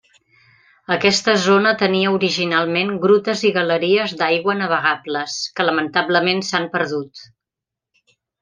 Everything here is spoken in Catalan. Aquesta zona tenia originalment grutes i galeries d'aigua navegables, que lamentablement s'han perdut.